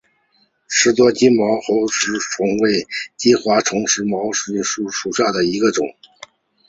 池端金毛猿金花虫为金花虫科金毛猿金花虫属下的一个种。